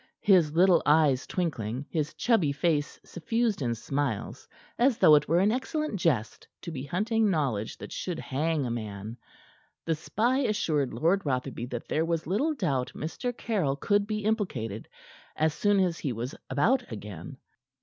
His little eyes twinkling, his chubby face suffused in smiles, as though it were an excellent jest to be hunting knowledge that should hang a man, the spy assured Lord Rotherby that there was little doubt Mr. Caryll could be implicated as soon as he was about again.